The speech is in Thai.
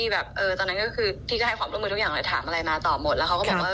แล้วถามอะไรมาต่อหมดแล้วเขาก็บอกว่า